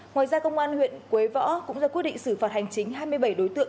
ngoài ra công an huyện quế võ cũng ra quyết định xử phạt hành chính hai mươi bảy đối tượng